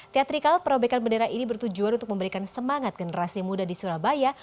teatrikal perobekan bendera ini bertujuan untuk memberikan semangat generasi muda di surabaya